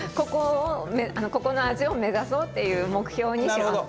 ここの味を目指そうっていう目標にします。